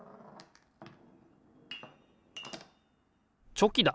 チョキだ！